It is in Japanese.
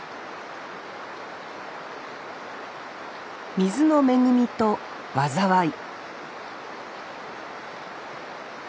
水の恵みと災い